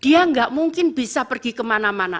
dia nggak mungkin bisa pergi kemana mana